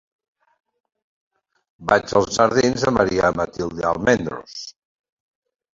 Vaig als jardins de Maria Matilde Almendros.